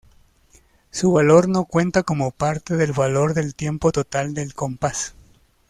Su valor no cuenta como parte del valor del tiempo total del compás.